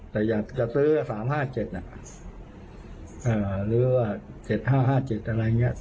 แต่อยากจะซื้อสามห้าเจ็ดน่ะอ่าหรือว่าเจ็ดห้าห้าเจ็ดอะไรเงี้ย